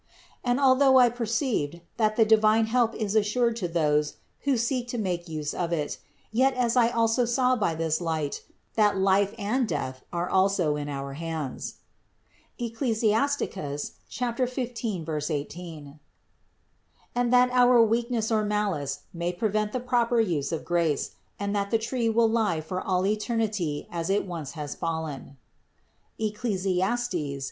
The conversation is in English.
And although I perceived, that the divine help is assured to those who seek to make use of it, yet as I also saw by this light, that life and death are in our hands (Eccli. 15, 18), and that our weakness or malice may prevent the proper use of grace, and that the tree will lie for all eternity as it once has fallen (Eccles.